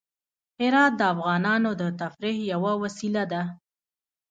هرات د افغانانو د تفریح یوه وسیله ده.